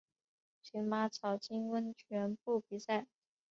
群马草津温泉部比赛。